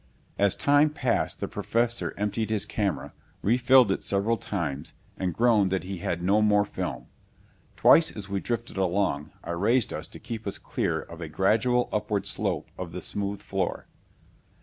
As time passed the Professor emptied his camera, refilled it several times and groaned that he had no more film. Twice as we drifted along I raised us to keep us clear of a gradual upward slope of the smooth floor.